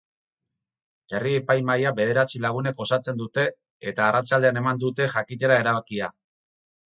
Herri-epaimahaia bederatzi lagunek osatzen dute, eta arratsaldean eman dute jakitera erabakia.